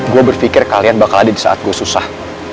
gue berpikir kalian bakal ada disaat gue susah